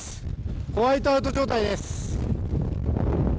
ホワイトアウト状態です。